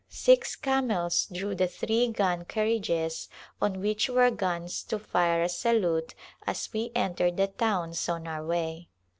Six camels drew the three gun carriages on which were guns to fire a salute as we entered the towns on our way.